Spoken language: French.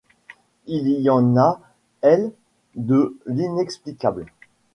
Il y a en elle de l’inexplicable.